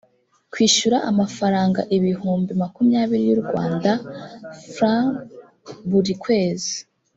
kwishyura amafaranga ibihumbi makumyabiri y u rwanda frw buri kwezi